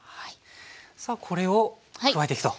さあこれを加えていくと。